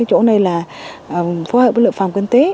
chỗ này phối hợp với lực phòng kinh tế